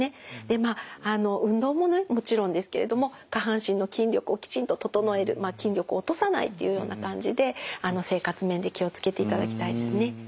まあ運動もねもちろんですけれども下半身の筋力をきちんと整える筋力を落とさないっていうような感じで生活面で気を付けていただきたいですね。